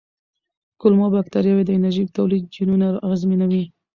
کولمو بکتریاوې د انرژۍ تولید جینونه اغېزمنوي.